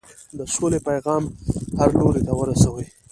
د سولې پیغام هر لوري ته ورسوئ.